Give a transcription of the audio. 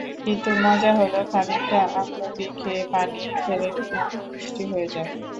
কিন্তু মজা হলো, খানিকটা আমলকী খেয়ে পানি খেলে মুখ মিষ্টি হয়ে যায়।